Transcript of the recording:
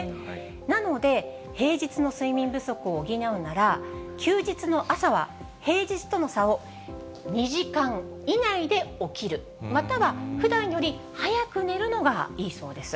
なので、平日の睡眠不足を補うなら、休日の朝は平日との差を２時間以内で起きる、またはふだんより早く寝るのがいいそうです。